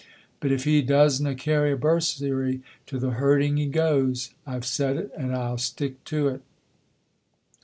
But if he doesna carry a bursary, to the herding he goes. I've said it and I'll stick to it."